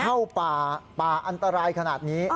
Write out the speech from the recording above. เข้าป่าป่าอันตรายขนาดนี้